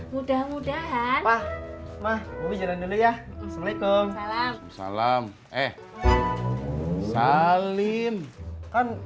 mudah mudahan pak mah jalan dulu ya assalamualaikum salam salam eh salim kan